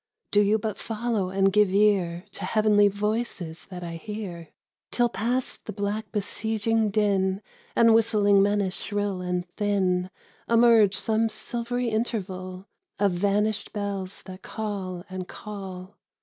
Do you but follow and give ear To heavenly voices that I hear, Till past the black besieging din And whistling menace shrill and thin, Emerge some silvery interval Of vanished bells that call and call.